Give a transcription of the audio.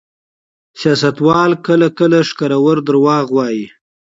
سیاستوال کله کله ښکرور دروغ وايي.